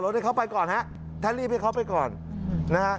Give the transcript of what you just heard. ท่านรีบที่เขาไปก่อนนะฮะ